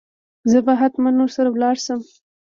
زه به هتمن ور سره ولاړ شم.